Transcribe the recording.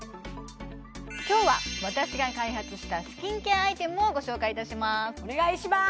今日は私が開発したスキンケアアイテムをご紹介いたしますお願いします